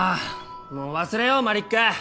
もう忘れようマリック！